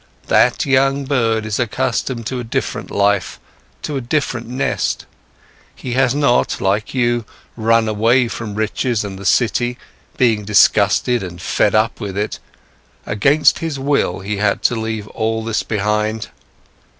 That young bird is accustomed to a different life, to a different nest. He has not, like you, run away from riches and the city, being disgusted and fed up with it; against his will, he had to leave all this behind.